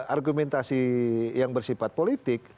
argumentasi yang bersifat politik